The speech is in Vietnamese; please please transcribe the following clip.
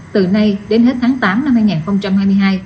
từ nay đến hết tháng tám năm hai nghìn hai mươi hai